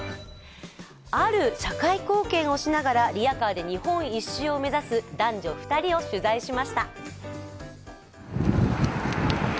ある社会貢献をしながらリヤカーで日本１周を目指す男女２人を取材しました。